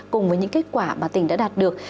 cùng với những kết quả mà tỉnh đã đạt được